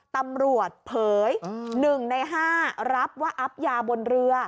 ตำรวจเผยหนึ่งในห้ารับว่าอับยาบนเรือ